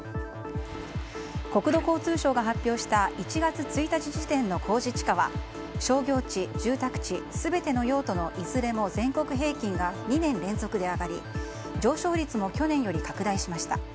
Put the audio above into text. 国土交通省が発表した１月１日時点の公示地価は商業地、住宅地、全ての用途のいずれも全国平均が２年連続で上がり上昇率も去年より拡大しました。